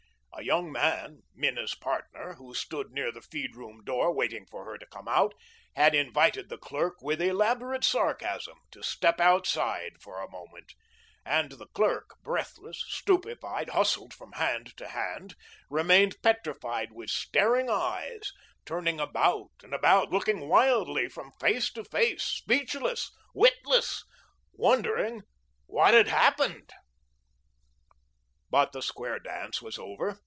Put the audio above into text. A young man, Minna's "partner," who stood near the feed room door, waiting for her to come out, had invited the clerk, with elaborate sarcasm, to step outside for a moment; and the clerk, breathless, stupefied, hustled from hand to hand, remained petrified, with staring eyes, turning about and about, looking wildly from face to face, speechless, witless, wondering what had happened. But the square dance was over.